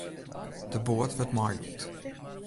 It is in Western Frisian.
De boat wurdt meilûkt.